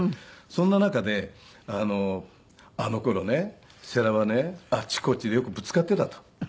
そんな中で「あの頃ね世良はねあっちこっちでよくぶつかっていた」と。